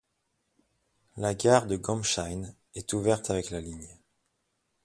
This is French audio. La gare de Gambsheim est ouverte avec la ligne.